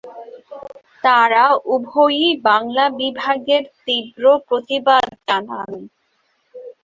তাঁরা উভয়েই বাংলা বিভাগের তীব্র প্রতিবাদ জানান।